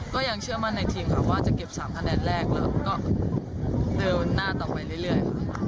ก็ยังเชื่อมั่นในทีมครับว่าจะเก็บ๓คะแนนแรกแล้วก็เดินหน้าต่อไปเรื่อย